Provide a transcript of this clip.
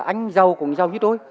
anh giàu cũng giàu như tôi